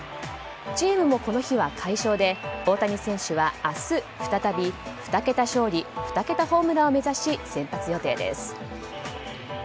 チームもこの日は快勝で大谷選手は明日、再び２桁勝利２桁ホームランを目指し先発予定です。